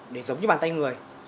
để giống như bàn tay người